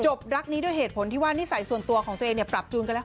รักนี้ด้วยเหตุผลที่ว่านิสัยส่วนตัวของตัวเองเนี่ยปรับจูนกันแล้ว